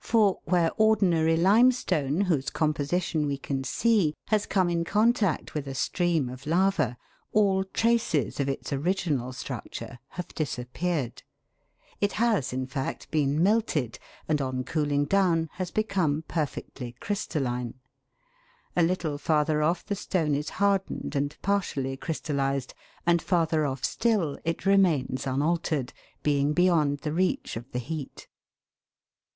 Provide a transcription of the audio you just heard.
For where ordinary limestone, whose composition we can see, has come in con tact with a stream of lava, all traces of its original structure have disappeared. It has, in fact, been melted, and on cooling down has become perfectly crystalline ; a little farther off the stone is hardened and partially crystallised, and farther off still it remains unaltered, being beyond the reach of the heat. MAGNESIAN LIMESTONE.